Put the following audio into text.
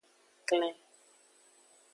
Klen.